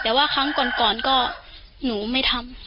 แต่ว่าครั้งก่อนก็หนูไม่ทำ